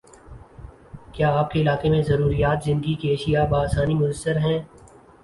کیا آپ کے علاقے میں ضروریاتِ زندگی کی اشیاء باآسانی میسر ہیں؟